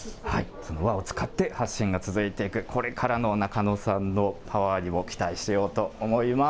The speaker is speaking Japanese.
その輪を使って発信が続いていく、これからのナカノさんのパワーにも期待しようと思います。